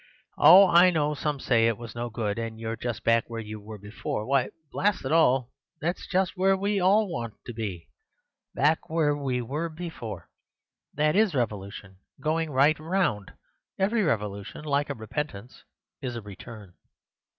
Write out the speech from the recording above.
Oh! I know some say it was no good, and you're just back where you were before. Why, blast it all, that's just where we all want to be—back where we were before! That is revolution—going right round! Every revolution, like a repentance, is a return.